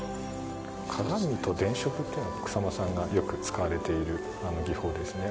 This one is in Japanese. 鏡と電飾というのが草間さんがよく使われている技法ですね